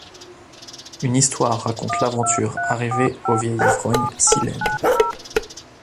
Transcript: Une histoire raconte l'aventure arrivée au vieil ivrogne Silène.